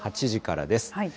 ８時からです。